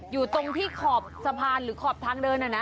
อยู่ตรงที่ขอบสะพานหรือขอบทางเดิน